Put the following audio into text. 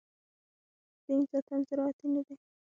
دین ذاتاً زراعتي نه دی.